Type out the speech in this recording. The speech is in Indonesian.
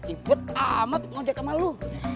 ibut amat ngajak sama lo